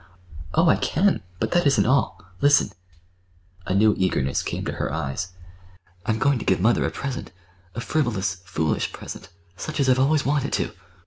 "Oh, I can! But that isn't all. Listen!" A new eagerness came to her eyes. "I'm going to give mother a present—a frivolous, foolish present, such as I've always wanted to.